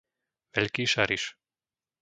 Veľký Šariš